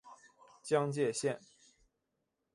江界线